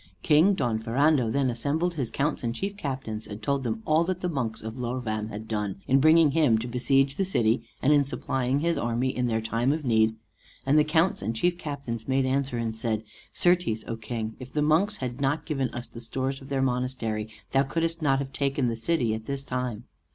King Don Ferrando then assembled his counts and chief captains, and told them all that the monks of Lorvam had done, in bringing him to besiege the city, and in supplying his army in their time of need: and the counts and chief captains made answer and said, "Certes, O King, if the monks had not given us the stores of their monastery, thou couldest not have taken the city at this time."